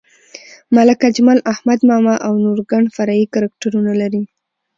ملک اجمل، احمد ماما او نور ګڼ فرعي کرکټرونه لري.